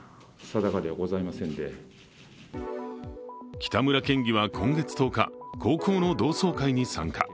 北村県議は今月１０日高校の同窓会に参加。